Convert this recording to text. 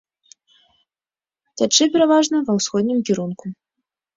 Цячэ пераважна ва ўсходнім кірунку.